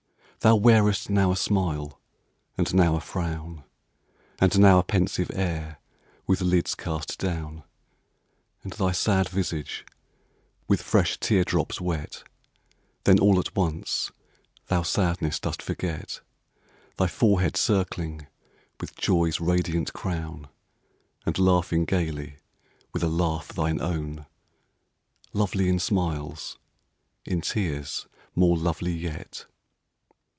Thou wearest now a smile and now a frown, And now a pensive air, with lids cast down, And thy sad visage with fresh tear drops wet:Then, all at once, thou sadness dost forget,—Thy forehead circling with joy's radiant crown, And laughing gayly, with a laugh thine own—Lovely in smiles, in tears more lovely yet.